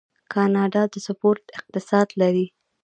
کاناډا د سپورت اقتصاد لري.